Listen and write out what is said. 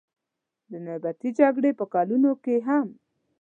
د نیابتي جګړې په کلونو کې هم.